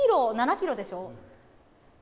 ６ｋｇ、７ｋｇでしょう。